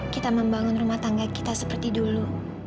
kita membangun rumah tangga kita seperti dulu